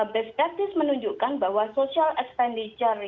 beb gratis menunjukkan bahwa social expenditure